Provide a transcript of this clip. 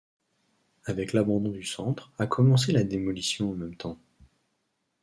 Avec l'abandon du centre a commencé la démolition en même temps.